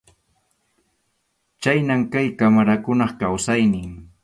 Khaynam kay qamarakunap kawsaynin.